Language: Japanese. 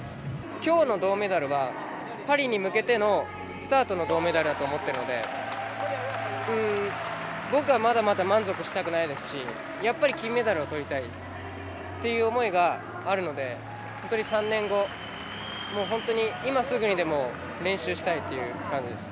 今日の銅メダルがパリに向けてのスタートの銅メダルだと思ってるので僕はまだまだ満足したくないですし、やっぱり金メダルを取りたいという思いがあるので、本当に３年後、今すぐにでも練習したいという感じです。